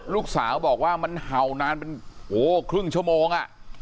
ลูกสาวบอกว่ามันเห่านานเป็นครึ่งชั่วโมง